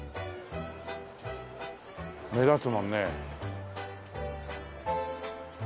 目立つもんね。